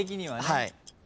はい。